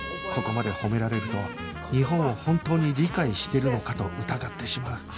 ここまで褒められると日本を本当に理解してるのかと疑ってしまう